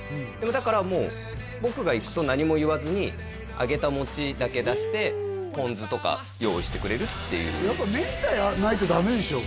だからもう僕が行くと何も言わずに揚げた餅だけ出してポン酢とか用意してくれるっていうやっぱ明太ないとダメでしょ